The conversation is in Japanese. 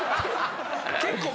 結構。